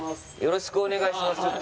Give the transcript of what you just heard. よろしくお願いします